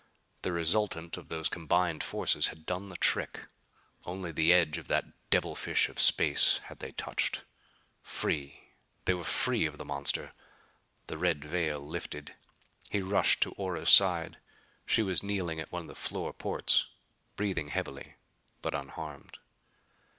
The resultant of those combined forces had done the trick. Only the edge of that devil fish of space, had they touched. Free they were free of the monster! The red veil lifted. He rushed to Ora's side. She was kneeling at one of the floor ports, breathing heavily but unharmed.